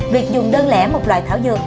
việc dùng đơn lẻ một loại thảo dược